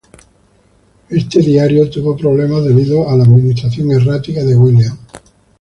Este diario tuvo problemas debido a la administración errática de William.